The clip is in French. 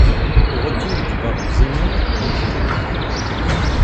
Au retour du Baron Zemo, il quitte le groupe.